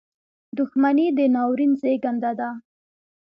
• دښمني د ناورین زېږنده ده.